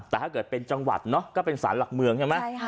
แต่ถ้าเกิดเป็นจังหวัดเนาะก็เป็นสารหลักเมืองใช่ไหม